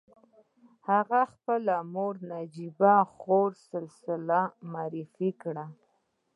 هغه خپله مور نجيبه خور سلسله معرفي کړه.